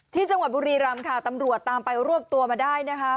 ที่จังหวัดบุรีรำค่ะตำรวจตามไปรวบตัวมาได้นะคะ